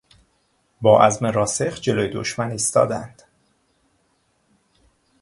با عزم راسخ جلوی دشمن ایستادند.